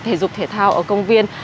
thể dục thể thao ở công viên